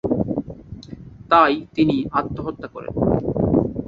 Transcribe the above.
তাই তিনি আত্মহত্যা করেন।